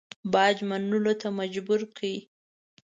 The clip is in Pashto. باج منلو ته مجبور کړ.